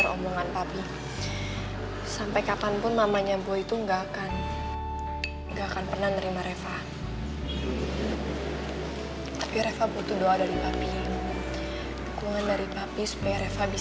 tukungan dari papi supaya reva bisa cepat mengukun dari boy